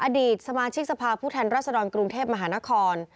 อดีตสมาชิกสภาพผู้แทนรัศดรกรุงเทพมหานคร